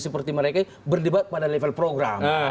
seperti mereka berdebat pada level program